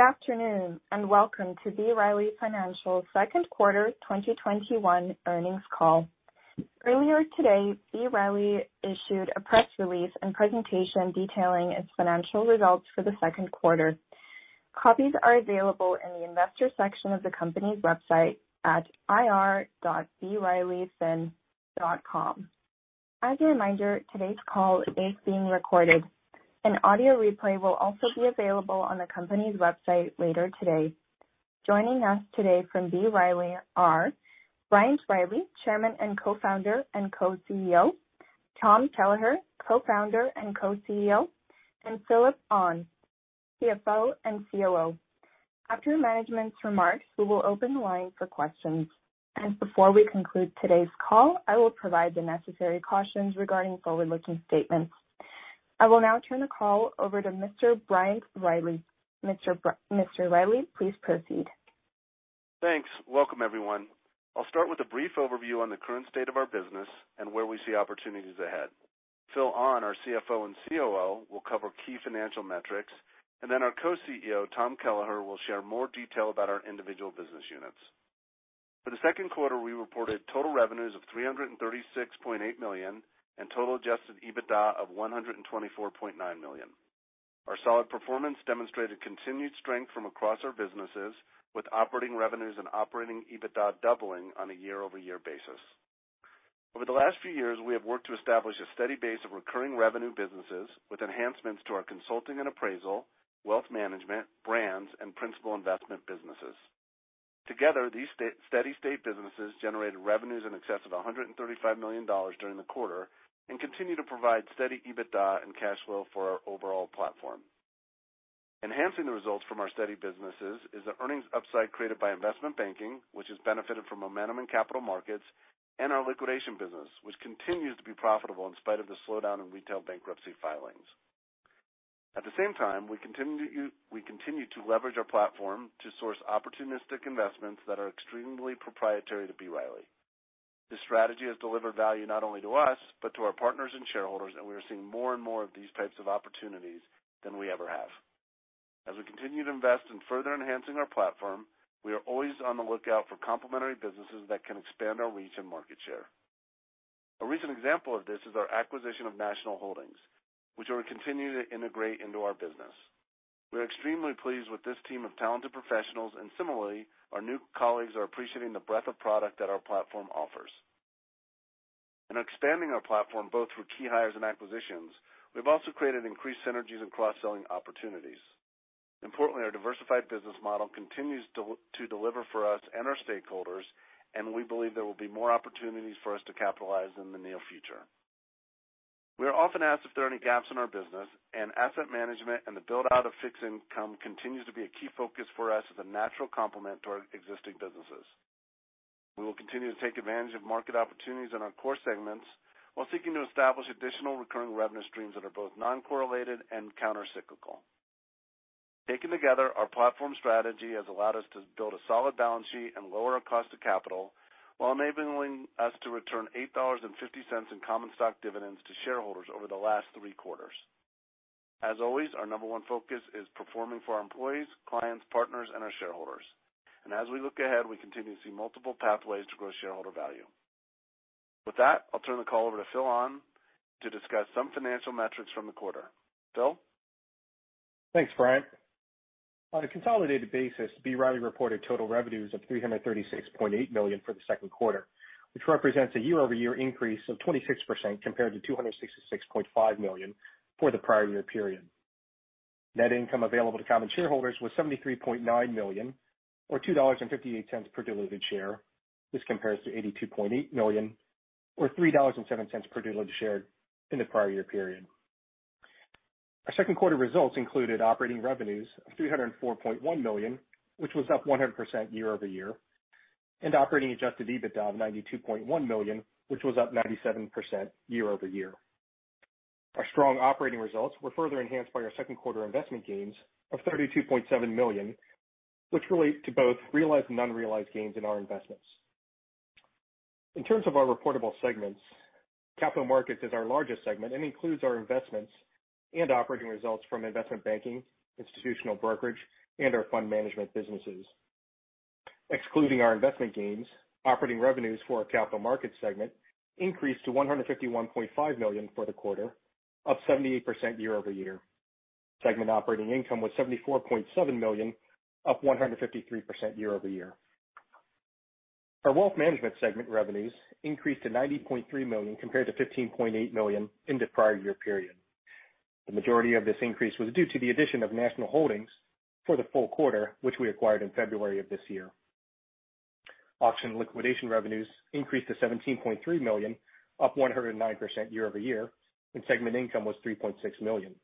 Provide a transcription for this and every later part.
Good afternoon, and welcome to B. Riley Financial's second quarter 2021 earnings call. Earlier today, B. Riley issued a press release and presentation detailing its financial results for the second quarter. Copies are available in the Investors section of the company's website at ir.brileyfin.com. As a reminder, today's call is being recorded. An audio replay will also be available on the company's website later today. Joining us today from B. Riley are Bryant Riley, Chairman and Co-Founder; Co-CEO, Tom Kelleher, Co-Founder and Co-CEO, and Phillip Ahn, CFO and COO. After management's remarks, we will open the line for questions. Before we conclude today's call, I will provide the necessary cautions regarding forward-looking statements. I will now turn the call over to Mr. Bryant Riley. Mr. Riley, please proceed. Thanks. Welcome, everyone. I'll start with a brief overview on the current state of our business and where we see opportunities ahead. Phillip Ahn, our CFO and COO, will cover key financial metrics, and then our Co-CEO, Tom Kelleher, will share more detail about our individual business units. For the second quarter, we reported total revenues of $336.8 million and total adjusted EBITDA of $124.9 million. Our solid performance demonstrated continued strength from across our businesses, with operating revenues and operating EBITDA doubling on a year-over-year basis. Over the last few years, we have worked to establish a steady base of recurring revenue businesses with enhancements to our consulting and appraisal, wealth management, brands, and principal investment businesses. Together, these steady-state businesses generated revenues in excess of $135 million during the quarter and continue to provide steady EBITDA and cash flow for our overall platform. Enhancing the results from our steady businesses is the earnings upside created by investment banking, which has benefited from momentum in capital markets, and our liquidation business, which continues to be profitable in spite of the slowdown in retail bankruptcy filings. At the same time, we continue to leverage our platform to source opportunistic investments that are extremely proprietary to B. Riley. This strategy has delivered value not only to us but also to our partners and shareholders. We are seeing more and more of these types of opportunities than we ever have. As we continue to invest in further enhancing our platform, we are always on the lookout for complementary businesses that can expand our reach and market share. A recent example of this is our acquisition of National Holdings, which we are continuing to integrate into our business. We're extremely pleased with this team of talented professionals. Similarly, our new colleagues are appreciating the breadth of product that our platform offers. In expanding our platform, both through key hires and acquisitions, we've also created increased synergies and cross-selling opportunities. Importantly, our diversified business model continues to deliver for us and our stakeholders. We believe there will be more opportunities for us to capitalize in the near future. We are often asked if there are any gaps in our business. Asset management and the build-out of fixed income continue to be a key focus for us as a natural complement to our existing businesses. We will continue to take advantage of market opportunities in our core segments while seeking to establish additional recurring revenue streams that are both non-correlated and countercyclical. Taken together, our platform strategy has allowed us to build a solid balance sheet and lower our cost of capital while enabling us to return $8.50 in common stock dividends to shareholders over the last three quarters. As always, our number one focus is performing for our employees, clients, partners, and our shareholders. As we look ahead, we continue to see multiple pathways to grow shareholder value. With that, I'll turn the call over to Phillip Ahn to discuss some financial metrics from the quarter. Phillip? Thanks, Bryant. On a consolidated basis, B. Riley reported total revenues of $336.8 million for the second quarter, which represents a year-over-year increase of 26% compared to $266.5 million for the prior year period. Net income available to common shareholders was $73.9 million, or $2.58 per diluted share. This compares to $82.8 million, or $3.07 per diluted share, in the prior year period. Our second quarter results included operating revenues of $304.1 million, which was up 100% year-over-year, and operating adjusted EBITDA of $92.1 million, which was up 97% year-over-year. Our strong operating results were further enhanced by our second quarter investment gains of $32.7 million, which relate to both realized and unrealized gains in our investments. In terms of our reportable segments, Capital Markets is our largest segment and includes our investments and operating results from investment banking, institutional brokerage, and our fund management businesses. Excluding our investment gains, operating revenues for our capital market segment increased to $151.5 million for the quarter, up 78% year-over-year. Segment operating income was $74.7 million, up 153% year-over-year. Our wealth management segment revenues increased to $90.3 million compared to $15.8 million in the prior year period. The majority of this increase was due to the addition of National Holdings for the full quarter, which we acquired in February of this year. Auction liquidation revenues increased to $17.3 million, up 109% year-over-year, and segment income was $3.6 million.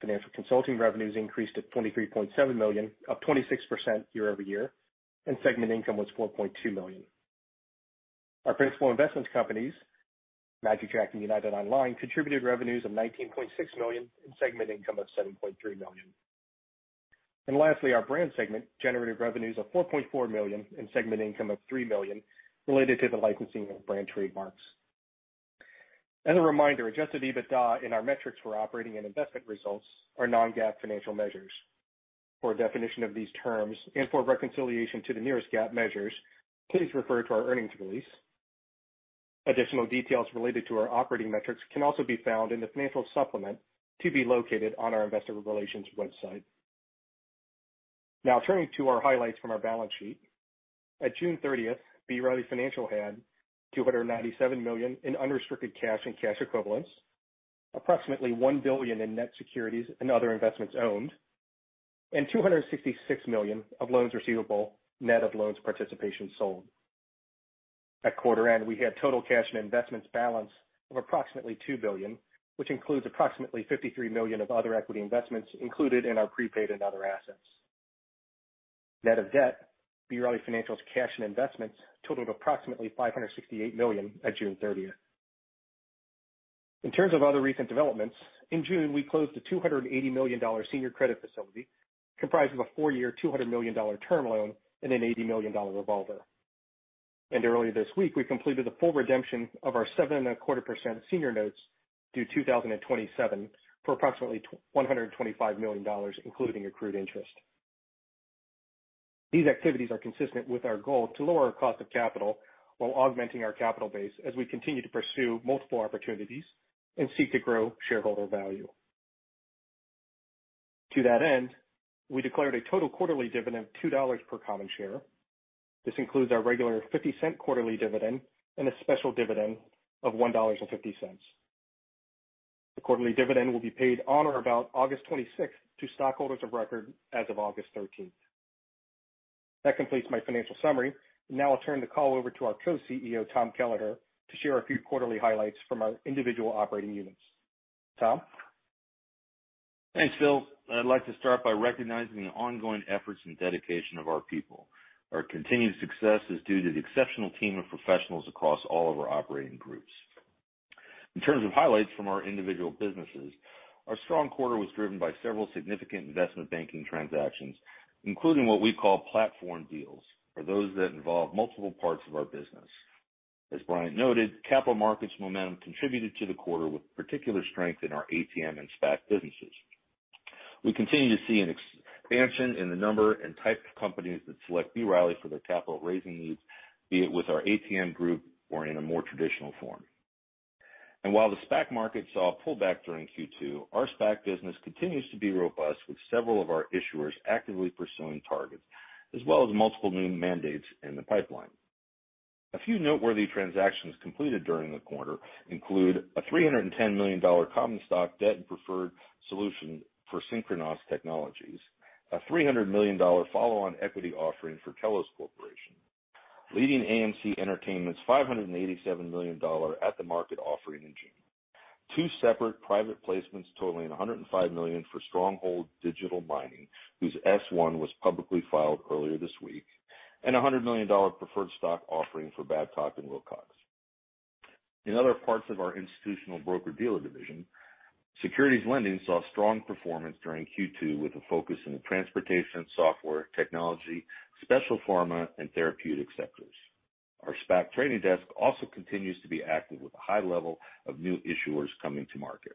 Financial consulting revenues increased to $23.7 million, up 26% year-over-year, and segment income was $4.2 million. Our principal investment companies, magicJack and United Online, contributed revenues of $19.6 million and segment income of $7.3 million. Lastly, our brand segment generated revenues of $4.4 million and segment income of $3 million related to the licensing of brand trademarks. As a reminder, adjusted EBITDA in our metrics for operating and investment results are non-GAAP financial measures. For a definition of these terms and for reconciliation to the nearest GAAP measures, please refer to our earnings release. Additional details related to our operating metrics can also be found in the financial supplement to be located on our investor relations website. Now turning to our highlights from our balance sheet. At June 30th, B. Riley Financial had $297 million in unrestricted cash and cash equivalents, approximately $1 billion in net securities and other investments owned, and $266 million of loans receivable, net of loans participation sold. At quarter end, we had a total cash and investments balance of approximately $2 billion, which includes approximately $53 million of other equity investments included in our prepaid and other assets. Net of debt, B. Riley Financial's cash and investments totaled approximately $568 million on June 30th. In terms of other recent developments, in June, we closed a $280 million senior credit facility comprised of a four-year, $200 million term loan and an $80 million revolver. Earlier this week, we completed the full redemption of our 7.25% senior notes due 2027 for approximately $125 million, including accrued interest. These activities are consistent with our goal to lower our cost of capital while augmenting our capital base as we continue to pursue multiple opportunities and seek to grow shareholder value. To that end, we declared a total quarterly dividend of $2 per common share. This includes our regular $0.50 quarterly dividend and a special dividend of $1.50. The quarterly dividend will be paid on or about August 26th to stockholders of record as of August 13th. That completes my financial summary. Now I'll turn the call over to our Co-CEO, Tom Kelleher, to share a few quarterly highlights from our individual operating units. Tom? Thanks, Phil. I'd like to start by recognizing the ongoing efforts and dedication of our people. Our continued success is due to the exceptional team of professionals across all of our operating groups. In terms of highlights from our individual businesses, our strong quarter was driven by several significant investment banking transactions, including what we call platform deals, or those that involve multiple parts of our business. As Bryant noted, capital markets momentum contributed to the quarter with particular strength in our ATM and SPAC businesses. We continue to see an expansion in the number and types of companies that select B. Riley for their capital raising needs, be it with our ATM group or in a more traditional form. While the SPAC market saw a pullback during Q2, our SPAC business continues to be robust with several of our issuers actively pursuing targets as well as multiple new mandates in the pipeline. A few noteworthy transactions completed during the quarter include a $310 million common stock debt and preferred solution for Synchronoss Technologies, a $300 million follow-on equity offering for Telos Corporation, leading AMC Entertainment's $587 million at-the-market offering in June, two separate private placements totaling $105 million for Stronghold Digital Mining, whose S-1 was publicly filed earlier this week, and a $100 million preferred stock offering for Babcock & Wilcox. In other parts of our institutional broker-dealer division, securities lending saw strong performance during Q2 with a focus on the transportation, software, technology, special pharma, and therapeutic sectors. Our SPAC trading desk also continues to be active with a high level of new issuers coming to market.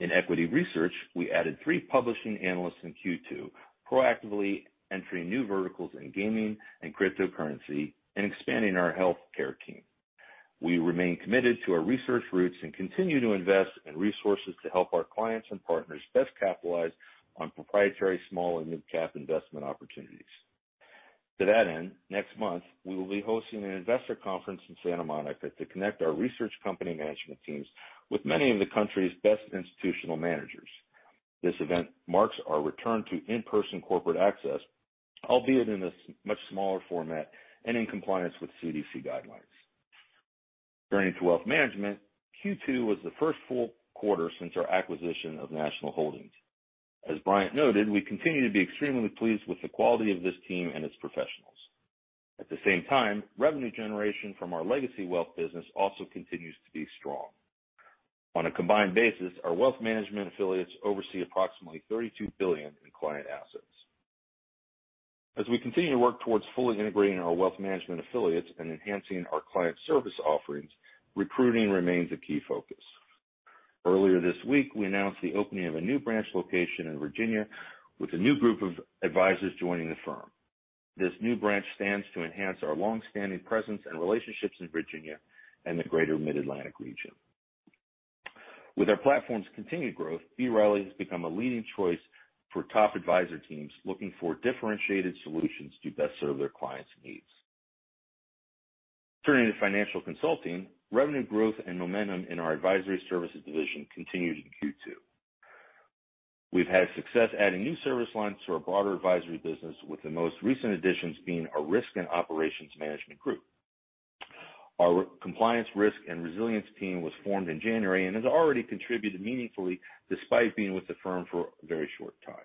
In equity research, we added three publishing analysts in Q2, proactively entering new verticals in gaming and cryptocurrency and expanding our healthcare team. We remain committed to our research roots and continue to invest in resources to help our clients and partners best capitalize on proprietary small and mid-cap investment opportunities. To that end, next month, we will be hosting an investor conference in Santa Monica to connect our research company management teams with many of the country's best institutional managers. This event marks our return to in-person corporate access, albeit in a much smaller format and in compliance with CDC guidelines. Turning to wealth management, Q2 was the first full quarter since our acquisition of National Holdings. As Bryant noted, we continue to be extremely pleased with the quality of this team and its professionals. At the same time, revenue generation from our legacy wealth business also continues to be strong. On a combined basis, our wealth management affiliates oversee approximately $32 billion in client assets. As we continue to work towards fully integrating our wealth management affiliates and enhancing our client service offerings, recruiting remains a key focus. Earlier this week, we announced the opening of a new branch location in Virginia with a new group of advisors joining the firm. This new branch stands to enhance our long-standing presence and relationships in Virginia and the greater Mid-Atlantic region. With our platform's continued growth, B. Riley has become a leading choice for top advisor teams looking for differentiated solutions to best serve their clients' needs. Turning to financial consulting, revenue growth and momentum in our advisory services division continued in Q2. We've had success adding new service lines to our broader advisory business, with the most recent additions being a risk and operations management group. Our compliance risk and resilience team was formed in January and has already contributed meaningfully despite being with the firm for a very short time.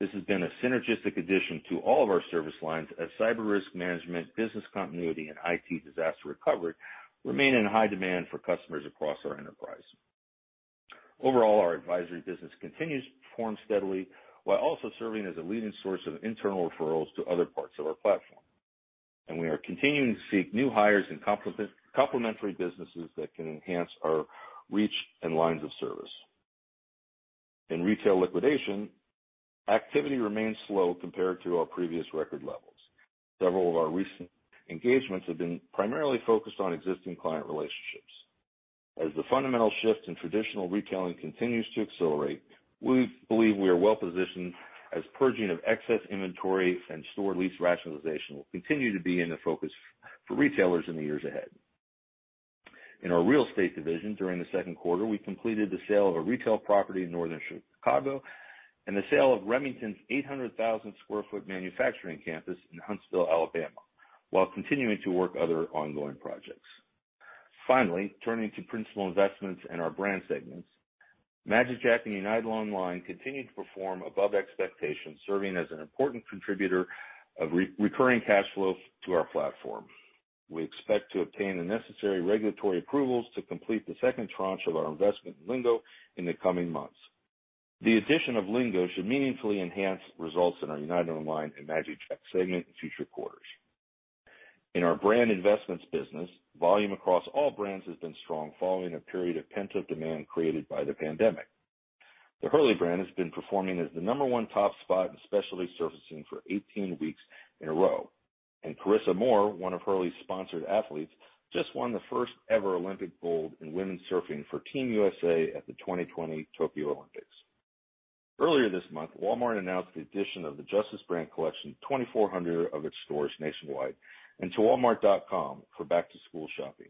This has been a synergistic addition to all of our service lines as cyber risk management, business continuity, and IT disaster recovery remain in high demand for customers across our enterprise. Overall, our advisory business continues to perform steadily while also serving as a leading source of internal referrals to other parts of our platform. We are continuing to seek new hires in complementary businesses that can enhance our reach and lines of service. In retail liquidation, activity remains slow compared to our previous record levels. Several of our recent engagements have been primarily focused on existing client relationships. As the fundamental shift in traditional retailing continues to accelerate, we believe we are well-positioned, as purging of excess inventory and store lease rationalization will continue to be in the focus for retailers in the years ahead. In our real estate division during the second quarter, we completed the sale of a retail property in Northern Chicago and the sale of Remington's 800,000 sq. ft. manufacturing campus in Huntsville, Alabama, while continuing to work on other ongoing projects. Finally, turning to principal investments in our brand segments, magicJack and United Online continued to perform above expectations, serving as an important contributor of recurring cash flow to our platform. We expect to obtain the necessary regulatory approvals to complete the second tranche of our investment in Lingo in the coming months. The addition of Lingo should meaningfully enhance results in our United Online and magicJack segments in future quarters. In our brand investments business, volume across all brands has been strong, following a period of pent-up demand created by the pandemic. The Hurley brand has been in the number one top spot in specialty surfing for 18 weeks in a row. Carissa Moore, one of Hurley's sponsored athletes, just won the first ever Olympic gold in women's surfing for Team USA at the 2020 Tokyo Olympics. Earlier this month, Walmart announced the addition of the Justice brand collection to 2,400 of its stores nationwide and to walmart.com for back-to-school shopping.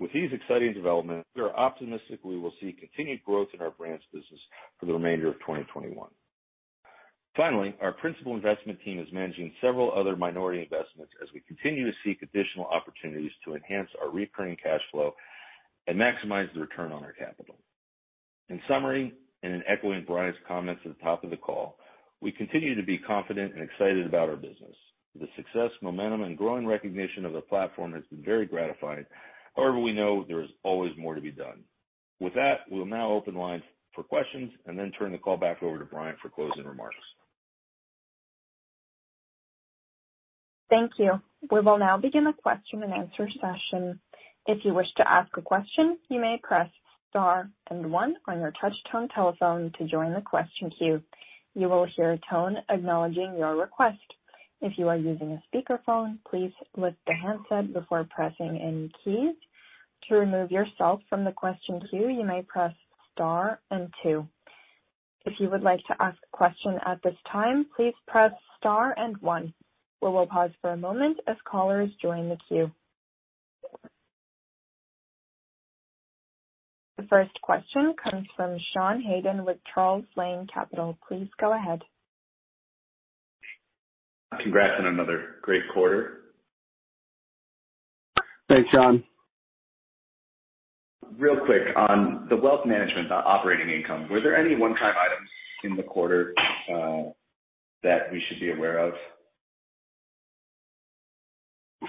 With these exciting developments, we are optimistic we will see continued growth in our brand's business for the remainder of 2021. Finally, our principal investment team is managing several other minority investments as we continue to seek additional opportunities to enhance our recurring cash flow and maximize the return on our capital. In summary, in echoing Bryant's comments at the top of the call, we continue to be confident and excited about our business. The success, momentum, and growing recognition of the platform have been very gratifying. However, we know there is always more to be done. With that, we'll now open lines for questions and then turn the call back over to Bryant for closing remarks. Thank you; we will now begin the question-and-answer session. If you wish to ask a question, please press star and one on your touch-tone telephone to join the question queue. You will share a tone acknowledging your request. If you are using the speakerphone, please pick up the handset before pressing the release. To remove yourself from the question queue, you may press star and two. If you would like to ask a question at this time, please press star and one. We will pause for a moment as callers join the queue. The first question comes from Sean Haydon with Charles Lane Capital. Please go ahead. Congrats on another great quarter. Thanks, Sean Haydon. Real quick, on the wealth management operating income, were there any one-time items in the quarter that we should be aware of?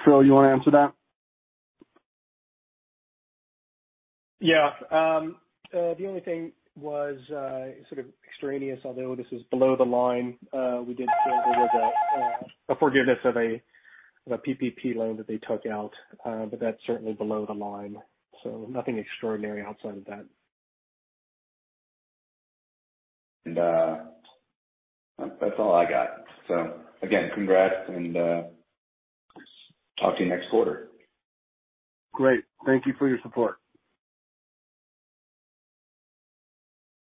Phillip, you want to answer that? Yeah. The only thing was sort of extraneous, although this is below the line. We did receive a forgiveness of a PPP loan that they took out. That's certainly below the line. Nothing extraordinary outside of that. That's all I got. Again, congrats and talk to you next quarter. Great. Thank you for your support.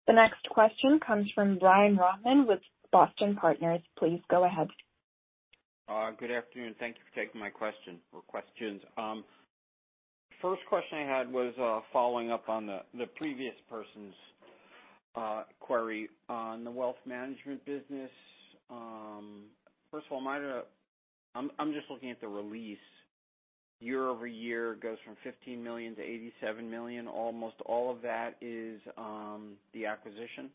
The next question comes from Brian Rohman with Boston Partners. Please go ahead. Good afternoon. Thank you for taking my question or questions. First question I had was following up on the previous person's query on the wealth management business. I'm just looking at the release. Year over year, it goes from $15 million-$87 million. Almost all of that is the acquisition?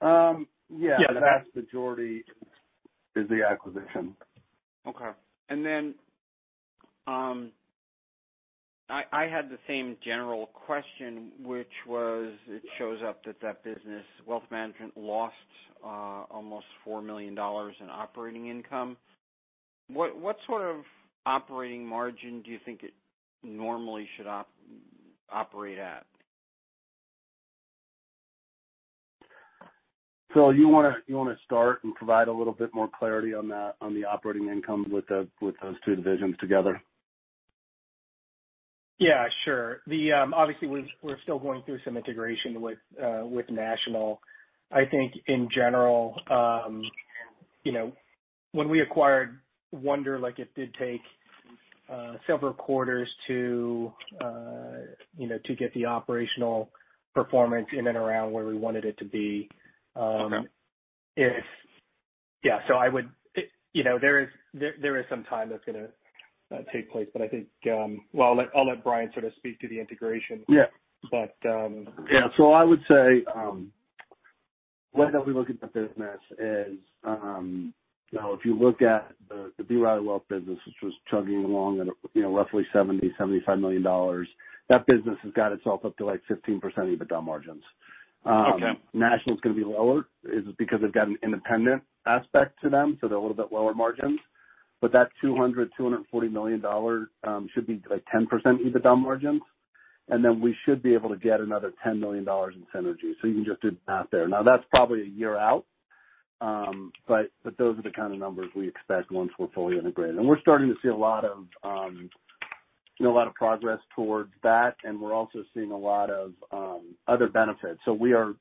Yeah. Yeah. The vast majority is the acquisition. Okay. I had the same general question, which was, it shows up that that business, wealth management, lost almost $4 million in operating income. What sort of operating margin do you think it normally should operate at? Phillip, you want to start and provide a little bit more clarity on the operating income with those two divisions together? Yeah, sure. Obviously, we're still going through some integration with National. I think in general, when we acquired Wunderlich, it did take several quarters to get the operational performance in and around where we wanted it to be. Okay. Yeah. There is some time that's going to take place. I think I'll let Bryant sort of speak to the integration. Yeah. But— Yeah. The way that we look at the business is, if you look at the B. Riley Wealth business, which was chugging along at roughly $70 million-$75 million. That business has got itself up to 15% EBITDA margins. Okay. National is going to be lower. It's because they've got an independent aspect to them, so they're a little bit lower margins, but that $200 million-$240 million should be 10% EBITDA margins. We should be able to get another $10 million in synergies. That's probably a year out. Those are the kind of numbers we expect once we're fully integrated. We're starting to see a lot of progress towards that, and we're also seeing a lot of other benefits. We are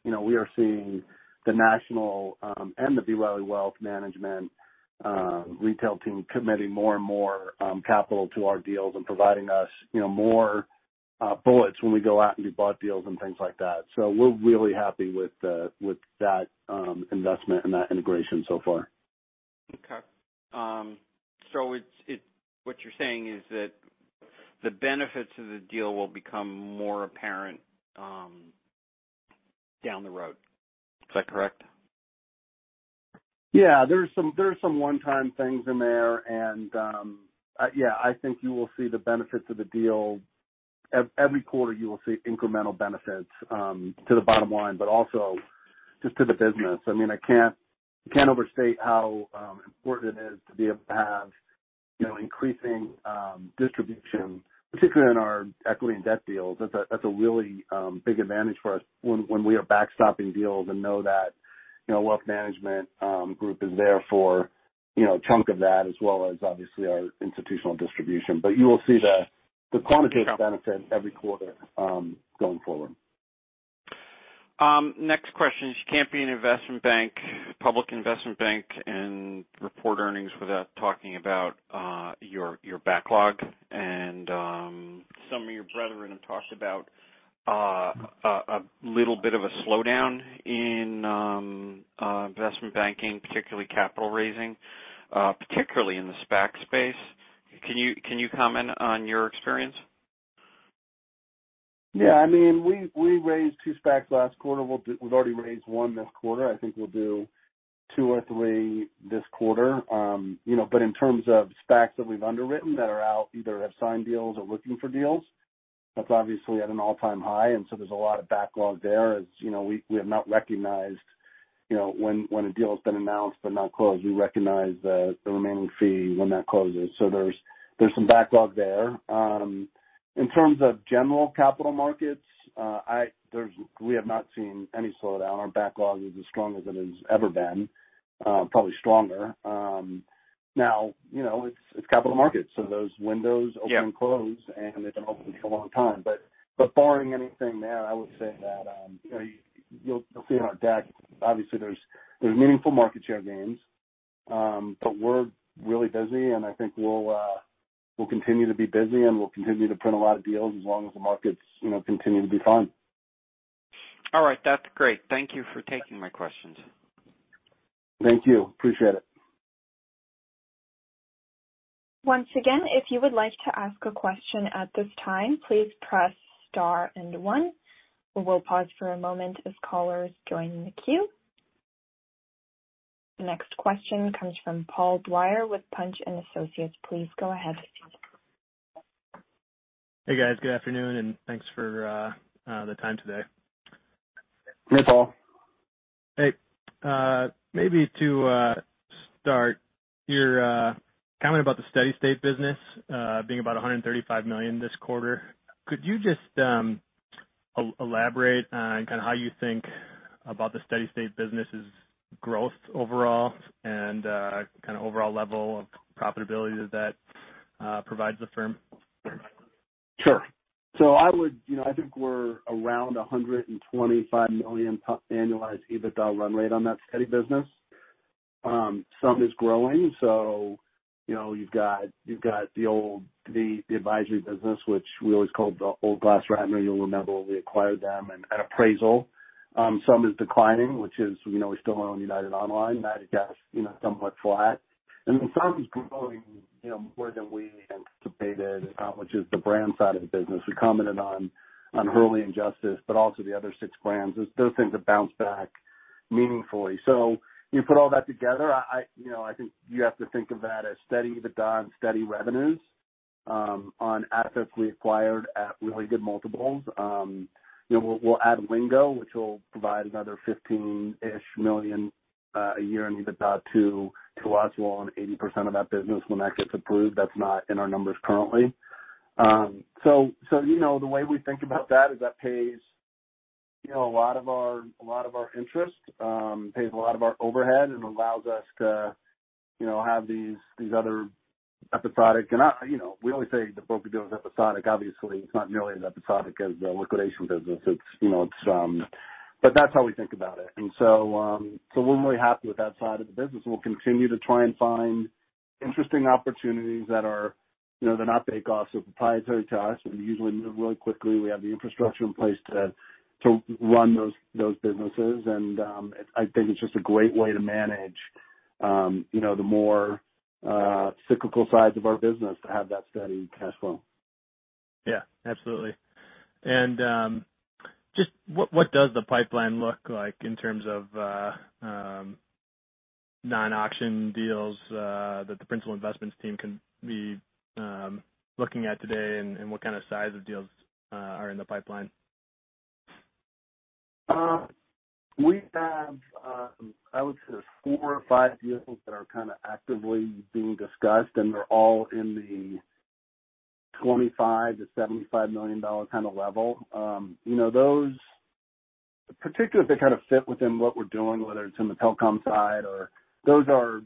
seeing the National and the B. Riley Wealth Management's retail team is committing more and more capital to our deals and providing us more bullets when we go out and do bought deals and things like that. We're really happy with that investment and that integration so far. Okay. What you're saying is that the benefits of the deal will become more apparent down the road. Is that correct? There are some one-time things in there, and, yeah, I think you will see the benefits of the deal. Every quarter, you will see incremental benefits to the bottom line, but also just to the business. I can't overstate how important it is to be able to have increasing distribution, particularly in our equity and debt deals. That's a really big advantage for us when we are backstopping deals and know that the wealth management group is there for a chunk of that as well as obviously our institutional distribution. Okay benefit every quarter going forward. Next question. You can't be an investment bank, a public investment bank, and report earnings without talking about your backlog. Some of your brethren have talked about a little bit of a slowdown in investment banking, particularly capital raising, particularly in the SPAC space. Can you comment on your experience? Yeah. We raised two SPACs last quarter. We've already raised one this quarter. I think we'll do two or three this quarter. In terms of SPACs that we've underwritten that are out, either have signed deals or are looking for deals; that's obviously at an all-time high; there's a lot of backlog there. As you know, we have not recognized when a deal has been announced but not closed. We recognize the remaining fee when that closes. There's some backlog there. In terms of general capital markets, we have not seen any slowdown. Our backlog is as strong as it has ever been, probably stronger. Now, it's capital markets; those windows open. Yeah and close, and they can open for a long time. Barring anything there, I would say that you'll see on our deck, obviously there's meaningful market share gains. We're really busy, and I think we'll continue to be busy, and we'll continue to print a lot of deals as long as the markets continue to be fine. All right. That's great. Thank you for taking my questions. Thank you. Appreciate it. Once again, if you would like to ask a question at this time, please press star and one. We will pause for a moment as callers join the queue. The next question comes from Paul Dwyer with Punch & Associates. Please go ahead. Hey, guys. Good afternoon, and thanks for the time today. Hey, Paul. Hey. Maybe to start, you're commenting about the steady-state business being about $135 million this quarter. Could you just elaborate on kind of how you think about the steady-state business's growth overall and kind of the overall level of profitability that provides the firm? Sure. I think we're around a $125 million annualized EBITDA run rate on that steady business. Some is growing. You've got the old advisory business, which we always called the old Glass revenue. You'll remember we acquired them at appraisal. Some are declining, which is, we still own United Online. United Online, somewhat flat. Some is growing more than we anticipated, which is the brand side of the business. We commented on Hurley and Justice but also the other six brands. Those things have bounced back meaningfully. You put all that together, and I think you have to think of that as steady EBITDA and steady revenues on assets we acquired at really good multiples. We'll add Lingo, which will provide another $15 million a year in EBITDA to us. We'll own 80% of that business when that gets approved. That's not in our numbers currently. The way we think about that is that it pays a lot of our interest, pays a lot of our overhead, and allows us to have these other episodics. We always say the broker-deal is episodic. Obviously, it's not nearly as episodic as the liquidation business. That's how we think about it. We're really happy with that side of the business, and we'll continue to try and find interesting opportunities that are not bake-offs. They're proprietary to us, and we usually move really quickly. We have the infrastructure in place to run those businesses. I think it's just a great way to manage the more cyclical sides of our business to have that steady cash flow. Yeah, absolutely. Just what does the pipeline look like in terms of non-auction deals that the principal investments team can be looking at today, and what kind of size of deals are in the pipeline? We have, I would say, four or five deals that are kind of actively being discussed, and they're all in the $25 million-$75 million kind of level. Those, particularly if they kind of fit within what we're doing, whether it's on the telecom side. Those are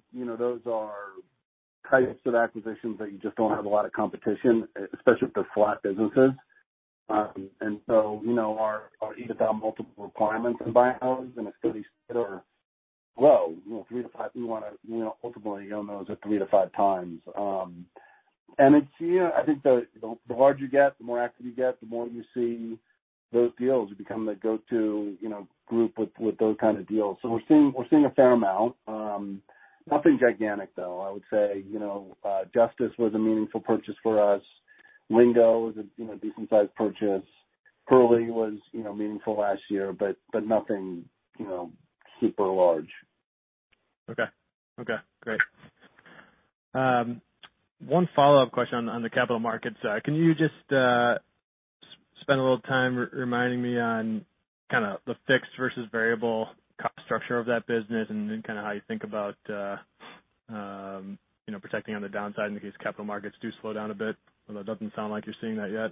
types of acquisitions that you just don't have a lot of competition for, especially if they're flat businesses. Our EBITDA multiple requirements and buyouts are going to be still low, 3x-5x. We want to multiply those at 3x-5x. Yeah, I think the larger you get, the more active you get, the more you see those deals. We've become the go-to group for those kinds of deals. We're seeing a fair amount. Nothing gigantic, though. I would say Justice was a meaningful purchase for us. Lingo is a decent-sized purchase. Hurley was meaningful last year, but nothing super large. Okay. Great. One follow-up question on the capital markets. Can you just spend a little time reminding me of the fixed versus variable cost structure of that business and then kind of how you think about protecting on the downside in case capital markets do slow down a bit? Although it doesn't sound like you're seeing that yet.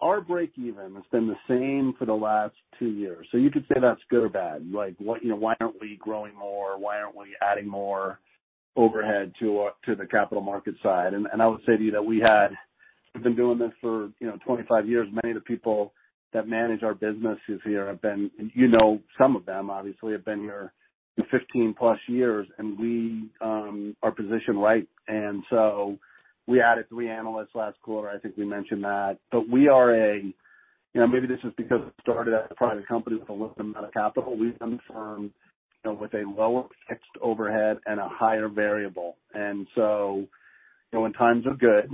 Our breakeven has been the same for the last two years. You could say that's good or bad. Like, why aren't we growing more? Why aren't we adding more overhead to the capital market side? I would say to you that we've been doing this for 25 years. Many of the people that manage our businesses here have been, you know, some of them, obviously, have been here 15+ years, and we are positioned right. We added three analysts last quarter. I think we mentioned that. Maybe this is because it started as a private company with a little amount of capital. We've been the firm with a lower fixed overhead and a higher variable. When times are good,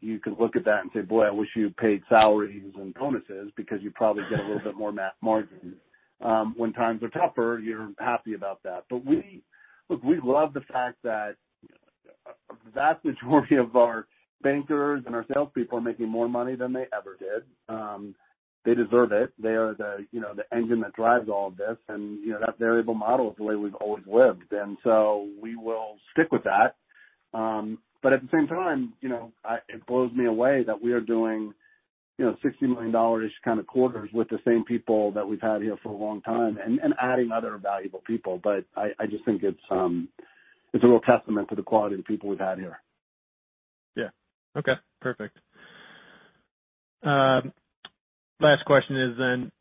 you can look at that and say, Boy, I wish you had paid salaries and bonuses, because you'd probably get a little bit more net margins. When times are tougher, you're happy about that. Look, we love the fact that the majority of our bankers and our salespeople are making more money than they ever did. They deserve it. They are the engine that drives all of this, and so we will stick with that. At the same time, it blows me away that we are doing $60 million kind of quarters with the same people that we've had here for a long time and adding other valuable people. I just think it's a real testament to the quality of the people we've had here. Yeah. Okay, perfect. Last question is then,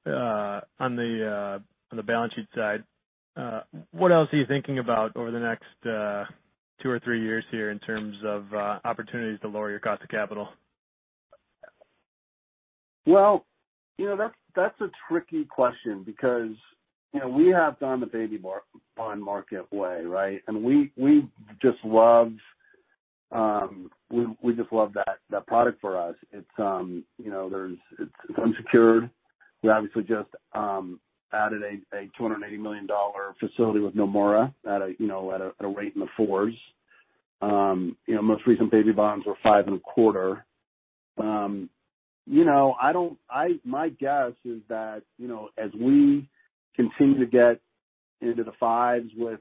on the balance sheet side, what else are you thinking about over the next two or three years here in terms of opportunities to lower your cost of capital? Well, that's a tricky question because we have gone the baby bond market way, right? We just love that product for us. It's unsecured. We obviously just added a $280 million facility with Nomura at a rate in the 4x. Most recent baby bonds were 5.25x. My guess is that as we continue to get into the 5x with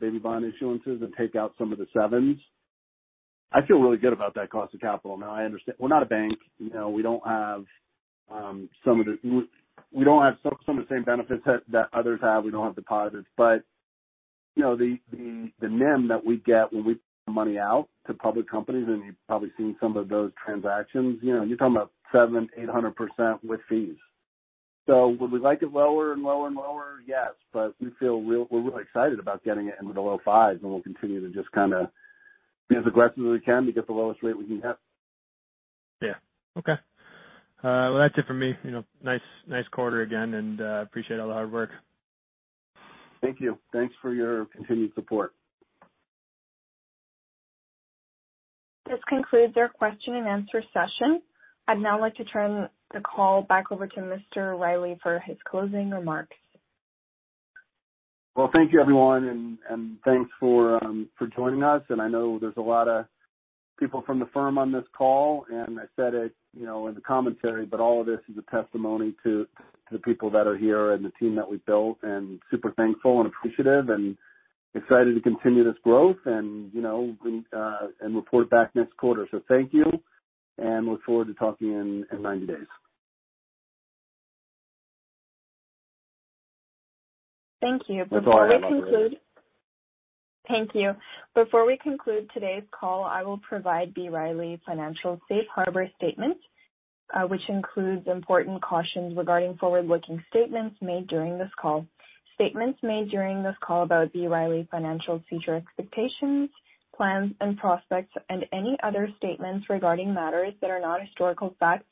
baby bond issuances and take out some of the 7x, I will feel really good about that cost of capital. Now, I understand we're not a bank. We don't have some of the same benefits that others have. We don't have deposits. The NIM that we get when we put money out to public companies—and you've probably seen some of those transactions—is, you're talking about 700%, 800% with fees. Would we like it lower and lower and lower? Yes, we feel we're really excited about getting it into the low fives, and we'll continue to just kind of be as aggressive as we can to get the lowest rate we can get. Well, that's it for me. Nice quarter again, and appreciate all the hard work. Thank you. Thanks for your continued support. This concludes your question and answer session. I'd now like to turn the call back over to Mr. Riley for his closing remarks. Thank you, everyone, and thanks for joining us, and I know there are a lot of people from the firm on this call, and I said it in the commentary, but all of this is a testimony to the people that are here and the team that we've built, and I'm super thankful and appreciative and excited to continue this growth and report back next quarter. Thank you, and I look forward to talking in 90 days. Thank you. That's all I have, operators. Thank you. Before we conclude today's call, I will provide B. Riley Financial's safe harbor statement, which includes important cautions regarding forward-looking statements made during this call. Statements made during this call about B. Riley Financial's future expectations, plans, and prospects and any other statements regarding matters that are not historical facts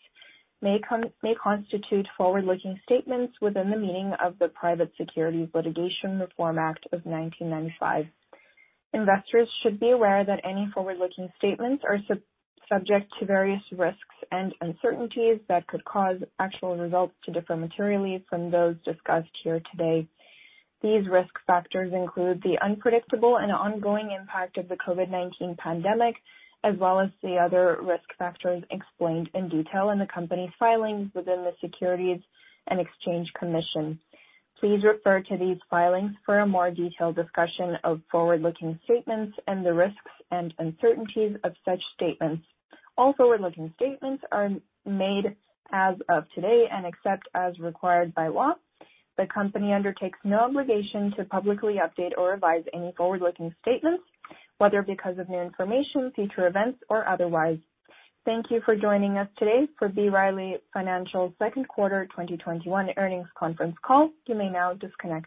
may constitute forward-looking statements within the meaning of the Private Securities Litigation Reform Act of 1995. Investors should be aware that any forward-looking statements are subject to various risks and uncertainties that could cause actual results to differ materially from those discussed here today. These risk factors include the unpredictable and ongoing impact of the COVID-19 pandemic, as well as the other risk factors explained in detail in the company's filings within the Securities and Exchange Commission. Please refer to these filings for a more detailed discussion of forward-looking statements and the risks and uncertainties of such statements. All forward-looking statements are made as of today, and except as required by law, the company undertakes no obligation to publicly update or revise any forward-looking statements, whether because of new information, future events, or otherwise. Thank you for joining us today for B. Riley Financial's second quarter 2021 earnings conference call. You may now disconnect.